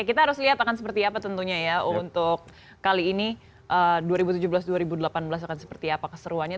kita harus lihat akan seperti apa tentunya ya untuk kali ini dua ribu tujuh belas dua ribu delapan belas akan seperti apa keseruannya